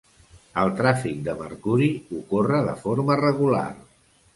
El tràfic de mercuri ocorre de forma regular.